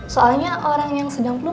soalnya orang yang sedang flu